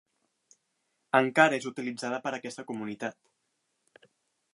Encara és utilitzada per aquesta comunitat.